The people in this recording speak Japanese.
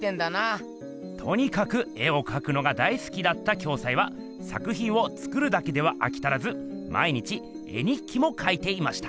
とにかく絵をかくのが大すきだった暁斎は作ひんを作るだけではあきたらず毎日絵日記もかいていました。